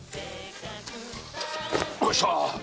よいしょ